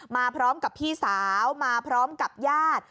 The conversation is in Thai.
มาพร้อมกับพี่สาวมาพร้อมกับญาติ